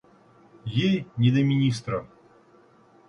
Ей не до министра.